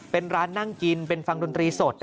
เป็นร้านนั่งกินเป็นฟังดนตรีสด